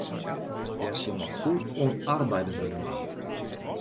Dêr sil noch fûl oan arbeide wurde moatte.